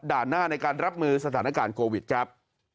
หน้าในการรับมือสถานการณ์โควิดครับ